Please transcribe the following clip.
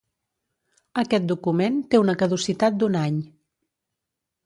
Aquest document té una caducitat d'un any.